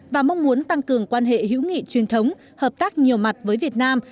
và mong muốn tăng cường quan hệ hữu nghị truyền thống hợp tác nhiều mặt với việt nam